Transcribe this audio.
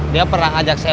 dia pernah ngajak saya